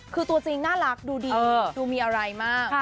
คือตัวจริงน่ารักดูดีดูมีอะไรมาก